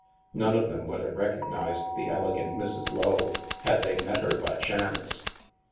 None of them would have recognized the elegant Mrs. Lowe, had they met her by chance.